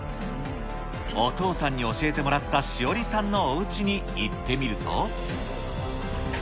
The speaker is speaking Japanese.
お父さんに教えてもらった志織さんのおうちに行ってみると。